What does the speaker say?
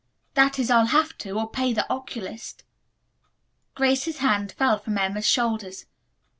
That is, I'll have to, or pay the oculist." Grace's hands fell from Emma's shoulders.